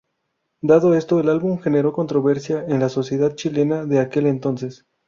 Dado esto, el álbum generó controversia en la sociedad chilena de aquel entonces.